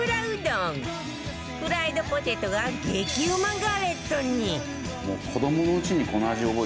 フライドポテトが激うまガレットに